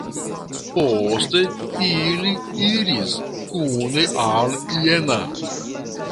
Poste ili iris kune al Jena.